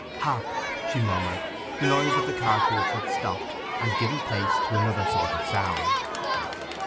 'Hark!' she murmured. The noise of the cartwheels had stopped, and given place to another sort of sound.